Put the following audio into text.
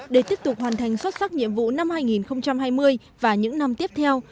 để tiếp tục hoàn thành xuất sắc nhiệm vụ năm hai nghìn hai mươi và những năm tiếp theo